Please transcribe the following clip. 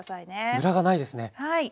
ムラがないですね。